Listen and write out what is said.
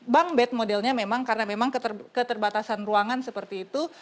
bang bed modelnya memang karena memang keterbatasan ruangan seperti itu